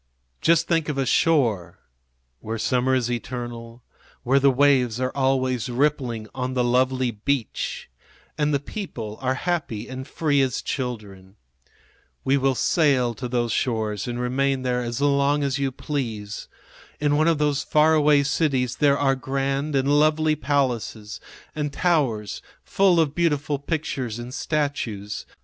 Just think of a shore where summer is eternal, where the waves are always rippling on the lovely beach and the people are happy and free as children. We will sail to those shores and remain there as long as you please. In one of those far away cities there are grand and lovely palaces and towers full of beautiful pictures and statues.